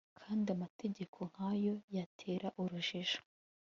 kandi amategeko nk'ayo yatera urujijo